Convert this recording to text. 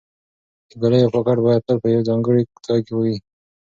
د ګولیو پاکټ باید تل په یو ځانګړي ځای کې وي.